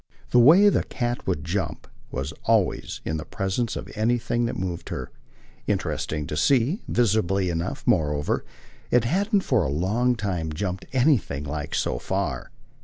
The way the cat would jump was always, in presence of anything that moved her, interesting to see; visibly enough, moreover, it hadn't for a long time jumped anything like so far.